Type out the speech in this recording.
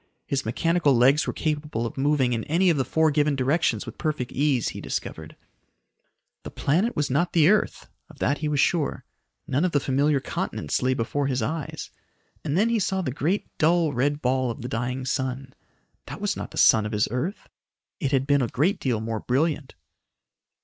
His mechanical legs were capable of moving in any of four given directions with perfect ease, he discovered. The planet was not the earth of that he was sure. None of the familiar continents lay before his eyes. And then he saw the great dull red ball of the dying sun. That was not the sun of his earth. It had been a great deal more brilliant.